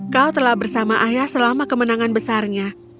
kau telah bersama ayah selama kemenangan besarnya